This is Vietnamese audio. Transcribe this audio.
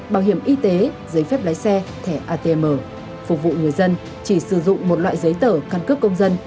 bảo hiểm y tế giấy phép lái xe thẻ atm phục vụ người dân chỉ sử dụng một loại giấy tờ căn cước công dân